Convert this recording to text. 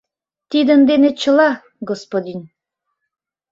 Тидын дене чыла, господин.